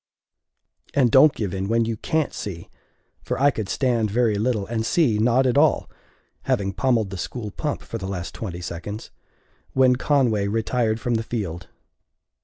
And don't give in when you can't! see! For I could stand very little, and see not at all (having pommelled the school pump for the last twenty seconds), when Conway retired from the field.